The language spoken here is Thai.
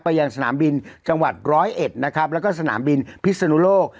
ยังสนามบินจังหวัดร้อยเอ็ดนะครับแล้วก็สนามบินพิศนุโลก